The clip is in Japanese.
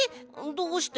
どうして？